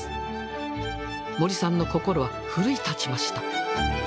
森さんの心は奮い立ちました。